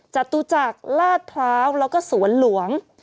จตุจักรลาดพร้าวแล้วก็สวนหลวง